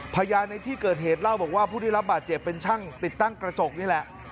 พญาในที่เกิดเหตุเหล้าพูดที่รับบาดเจ็บเป็นช่างติดตั้งกระจกนี่แหละ